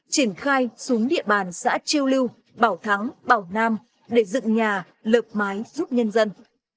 triển khai xuống địa bàn xã chiêu lưu bảo thắng bảo nam để dựng nhà lợp mái giúp nhân dân